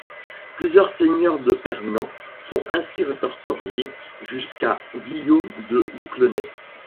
Plusieurs seigneurs de Pernant sont ainsi répertoriés jusqu'à Guillaume de Bouclenay.